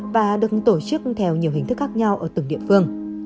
và được tổ chức theo nhiều hình thức khác nhau ở từng địa phương